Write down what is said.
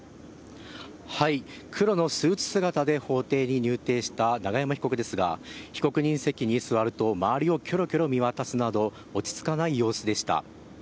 黒のスーツ姿で法廷に入廷した永山被告ですが、被告人席に座ると、周りをきょろきょろ見渡すなど、落ち着かない様子でした。